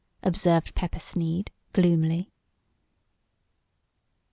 observed Pepper Sneed, gloomily.